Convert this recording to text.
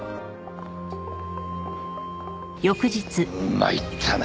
参ったな。